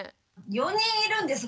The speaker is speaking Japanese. ４人いるんです。